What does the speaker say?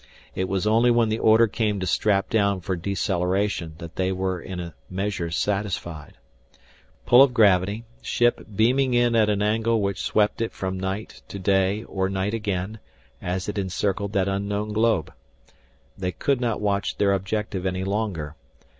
It was only when the order came to strap down for deceleration that they were in a measure satisfied. Pull of gravity, ship beaming in at an angle which swept it from night to day or night again as it encircled that unknown globe. They could not watch their objective any longer.